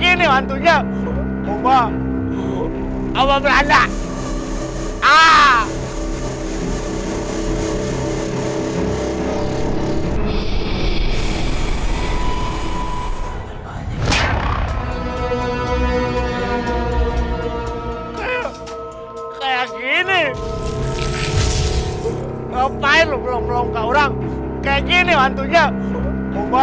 gini waktunya oma oma belanda ah kayak gini ngomong ngomong ke orang kayak gini waktunya oma